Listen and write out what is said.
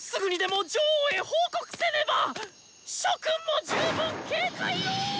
諸君も十分警戒を！